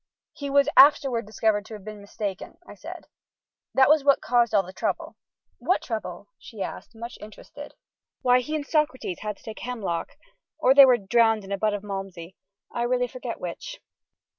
"He was afterward discovered to be mistaken," I said. "That was what caused all the trouble." "What trouble?" she asked, much interested. "Why, he and Socrates had to take hemlock or they were drowned in a butt of malmsey, I really forget which."